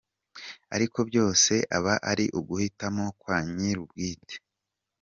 Ariko byose aba ari uguhitamo kwa nyir’ubwite”.